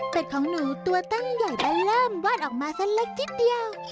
เป็นของหนูตัวตั้งใหญ่ได้เริ่มวาดออกมาสักเล็กนิดเดียว